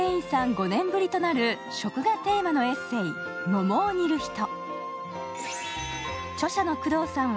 ５年ぶりとなる食がテーマのエッセー「桃を煮るひと」。